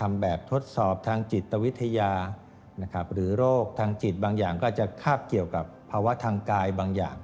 ทำแบบทดสอบทางจิตวิทยานะครับหรือโรคทางจิตบางอย่างก็อาจจะคาบเกี่ยวกับภาวะทางกายบางอย่าง